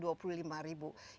ini kan bisa di extend berarti